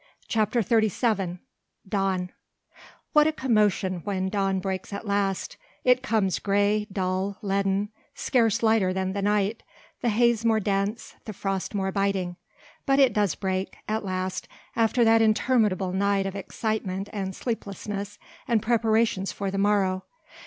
CHAPTER XXXVII DAWN What a commotion when dawn breaks at last; it comes grey, dull, leaden, scarce lighter than the night, the haze more dense, the frost more biting. But it does break at last after that interminable night of excitement and sleeplessness and preparations for the morrow.